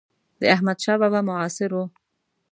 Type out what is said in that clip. د احمدشاه بابا معاصر و.